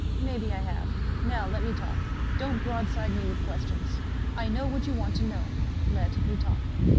"Maybe I have. Now let me talk. Don't broadside me with questions. I know what you want to know. Let me talk."